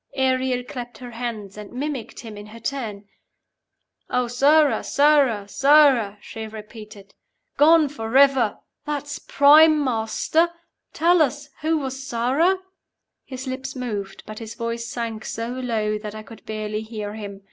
'" Ariel clapped her hands, and mimicked him in her turn. "'Oh, Sara, Sara, Sara!'" she repeated. "'Gone forever.' That's prime, Master! Tell us who was Sara?" His lips moved, but his voice sank so low that I could barely hear him.